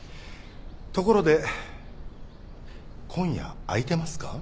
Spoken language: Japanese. ところで今夜空いてますか？